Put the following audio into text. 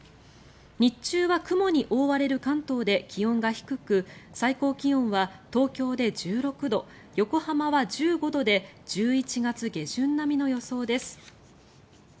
日中は雲に覆われる関東で気温が低く最高気温は東京で１６度横浜は１５度で１１月下旬並みの予想です。